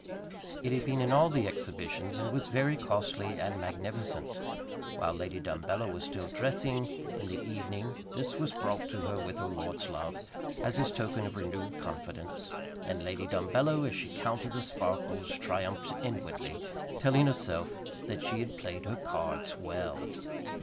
It had been in all the exhibitions, and was very costly and magnificent. While Lady Dumbello was still dressing in the evening this was brought to her with her lord's love, as his token of renewed confidence; and Lady Dumbello, as she counted the sparkles, triumphed inwardly, telling herself that she had played her cards well.